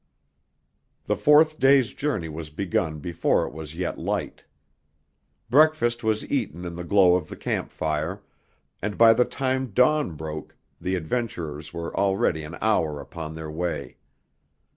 The fourth day's journey was begun before it was yet light. Breakfast was eaten in the glow of the camp fire, and by the time dawn broke the adventurers were already an hour upon their way.